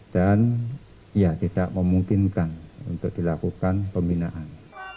dan ya tidak memungkinkan untuk dilakukan pembinaan